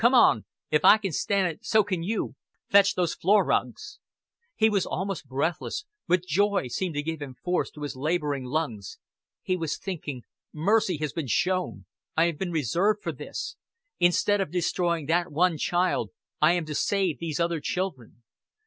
Come on. If I can stan' it so can you. Fetch those floor rugs." He was almost breathless, but joy seemed to give force to his laboring lungs. He was thinking: "Mercy has been shown. I have been reserved for this. Instead of destroying that one child, I am to save these other children."